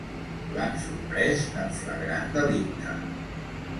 L'han sorprès en flagrant delicte.